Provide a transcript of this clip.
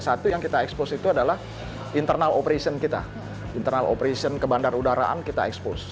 satu yang kita expose itu adalah internal operation kita internal operation ke bandar udaraan kita expose